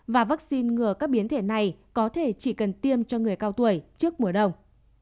và vaccine ngừa các biến thể này có thể chỉ cần tiêm cho người cao tuổi trước mùa đông